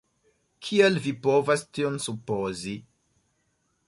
kial vi povas tion supozi?